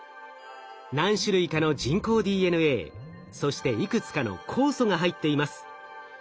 何種類かの人工ＤＮＡそしていくつかの酵素が入っています。